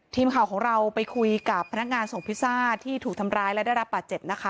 ทีมข่าวของเราไปคุยกับพนักงานส่งพิซซ่าที่ถูกทำร้ายและได้รับบาดเจ็บนะคะ